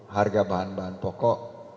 harga bahan bahan pokok